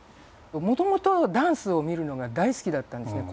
もともとダンスを見るのが大好きだったんですね